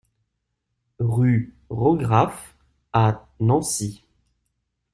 Rue Raugraff à Nancy